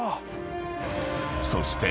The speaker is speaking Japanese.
［そして］